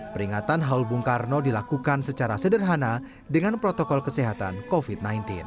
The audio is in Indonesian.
peringatan haul bung karno dilakukan secara sederhana dengan protokol kesehatan covid sembilan belas